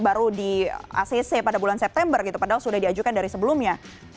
baru di acc pada bulan september gitu padahal sudah diajukan dari sebelumnya